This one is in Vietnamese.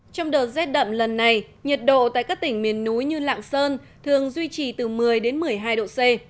trong đợt rét đậm lần này nhiệt độ tại các tỉnh miền núi như lạng sơn thường duy trì từ một mươi đến một mươi hai độ c